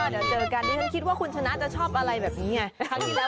เดี๋ยวเจอกันดิฉันคิดว่าคุณชนะจะชอบอะไรแบบนี้ไง